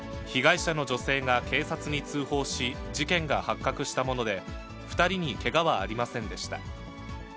被害者の女性が警察に通報し、事件が発覚したもので、２人にけがはありませんでした。